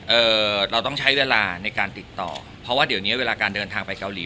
เอ่อเราต้องใช้เวลาในการติดต่อเพราะว่าเดี๋ยวเนี้ยเวลาการเดินทางไปเกาหลี